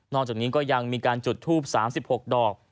จากนี้ก็ยังมีการจุดทูป๓๖ดอก